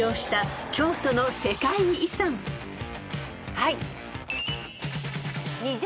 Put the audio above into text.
はい。